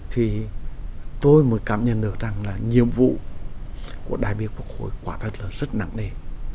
thì tôi mới cảm nhận được rằng là nhiệm vụ của đại biểu quốc hội quả thật là rất nặng nề